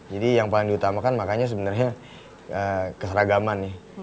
jadi yang paling diutamakan makanya sebenarnya keseragaman nih